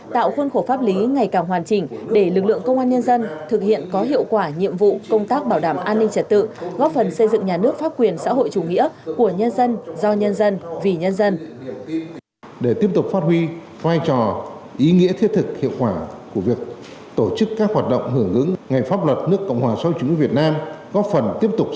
tạo khuôn khổ pháp lý ngày càng hoàn chỉnh để lực lượng công an nhân dân thực hiện có hiệu quả nhiệm vụ công tác bảo đảm an ninh trật tự